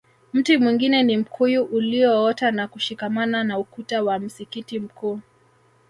Mti mwingine ni mkuyu ulioota na kushikamana na ukuta wa msikiti mkuu